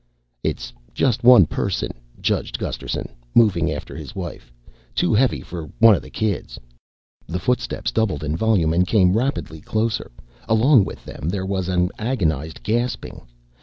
"It's just one person," judged Gusterson, moving after his wife. "Too heavy for one of the kids." The footsteps doubled in volume and came rapidly closer. Along with them there was an agonized gasping.